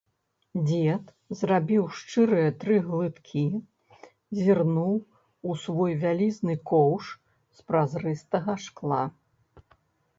Дзед зрабіў шчырыя тры глыткі, зірнуў у свой вялізны коўш з празрыстага шкла.